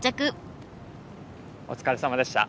お疲れさまでした。